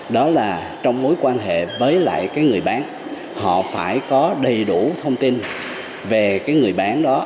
đó là trong mối quan hệ với lại cái người bán họ phải có đầy đủ thông tin về cái người bán đó